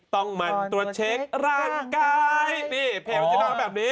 ต้องมันตัวเช็คร่างใกล้เพลงมัอแบบนี้อ๋อ